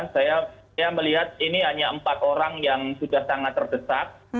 saya melihat ini hanya empat orang yang sudah sangat terdesak